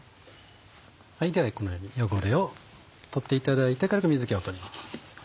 このように汚れを取っていただいてから水気を取ります。